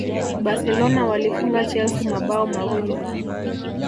barcelona walifunga chelsea mabao mawili